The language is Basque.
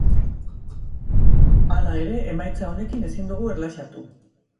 Hala ere, emaitza honekin ezin dugu erlaxatu.